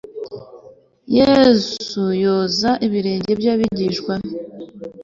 yesu yoza ibirenge by'abigishwa be